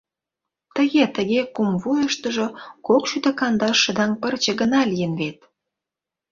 Тыге, тыге, кум вуйыштыжо кокшӱдӧ кандаш шыдаҥ пырче гына лийын вет.